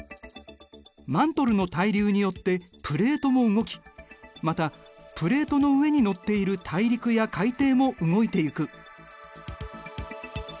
マントルの対流によってプレートも動きまたプレートの上にのっている大陸や海底も動いていく。